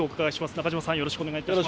中島さん、よろしくお願いいたします。